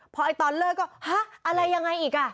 พอตอนเลิกก็ฮะอะไรยังไงอีกอ่ะ